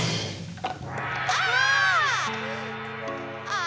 ああ。